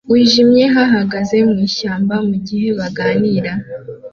wijimye bahagaze mwishyamba mugihe baganira